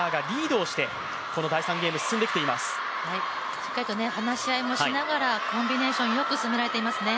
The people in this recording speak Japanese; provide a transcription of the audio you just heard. しっかりと話し合いもしながらコンビネーションよく進められていますね。